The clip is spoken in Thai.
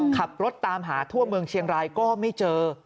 ขับรถตามหาทั่วเมืองเชียงรายก็ไม่เจอ